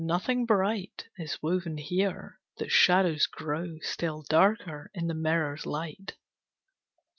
Nothing bright Is woven here: the shadows grow Still darker in the mirror's light!